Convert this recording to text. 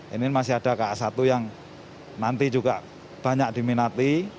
ini masih ada ka satu yang nanti juga banyak diminati